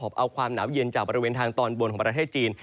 เอาความหนาวเย็นจากบริเวณทางตอนบนของประเทศจีน